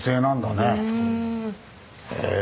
へえ。